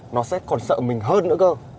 nó sẽ còn sợ mình hơn nữa cơ